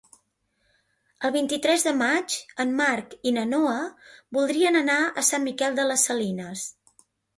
El vint-i-tres de maig en Marc i na Noa voldrien anar a Sant Miquel de les Salines.